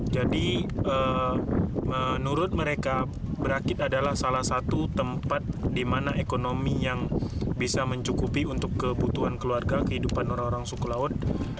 jadi menurut mereka berakit adalah salah satu tempat di mana ekonomi yang bisa mencukupi untuk kebutuhan keluarga kehidupan orang orang suku laut